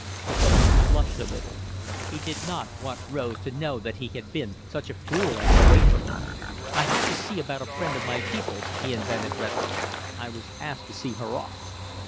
Philip blushed a little. He did not want Rose to know that he had been such a fool as to wait for him. "I had to see about a friend of my people's," he invented readily. "I was asked to see her off."